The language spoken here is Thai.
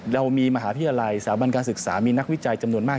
เรามีมหาวิทยาลัยสถาบันการศึกษามีนักวิจัยจำนวนมาก